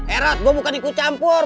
eras gue bukan ikut campur